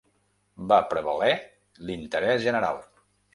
Va prevaler l’interès general.